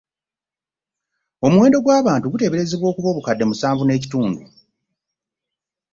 Omuwendo gw'abantu guteeberezebwa okuba obukadde musanvu n'ekitundu.